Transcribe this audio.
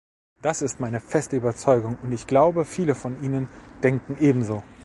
Das ist meine feste Überzeugung, und ich glaube, viele von Ihnen denken ebenso.